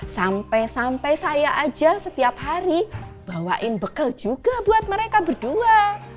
sampai sampai saya aja setiap hari bawain bekal juga buat mereka berdua